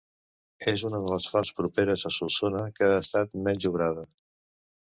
És una de les fonts properes a Solsona que ha estat menys obrada.